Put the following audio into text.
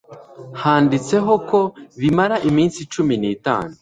Handitseho ko bimara iminsi cumi nitanu